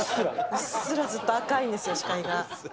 うっすらずっと赤いんですよ、視界が。